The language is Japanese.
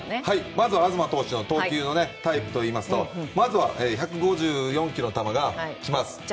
まず、東投手の投球のタイプはといいますとまずは１５４キロの球が来ます。